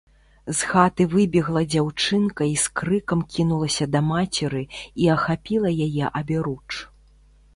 З хаты выбегла дзяўчынка і з крыкам кінулася да мацеры і ахапіла яе аберуч.